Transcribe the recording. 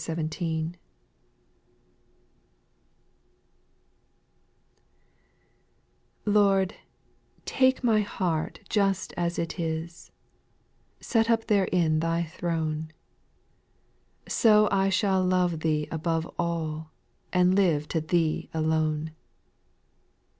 T ORD, take my heart just as it is, Jj Set up therein Thy throne ; So shall I love Thee above all, And live to Thee alone.